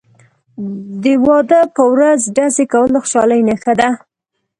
د واده په ورځ ډزې کول د خوشحالۍ نښه ده.